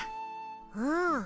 うん。